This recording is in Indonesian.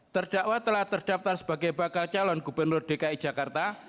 terdakwa telah terdaftar sebagai bakal calon gubernur dki jakarta